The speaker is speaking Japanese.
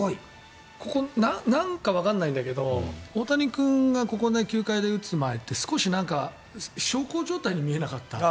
ここ、なんかわからないんだけど大谷君がここ、９回で打つ前って少し小康状態に見えなかった？